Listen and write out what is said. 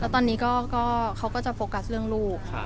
ตอนนี้เขาก็จะโฟกัสเรื่องลูก